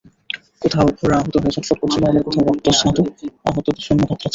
কোথাও ঘোড়া আহত হয়ে ছটফট করছিল আবার কোথাও রক্তস্নাত আহত সৈন্য কাতরাচ্ছিল।